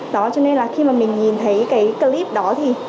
đó cho nên là khi mà mình nhìn thấy cái clip đó thì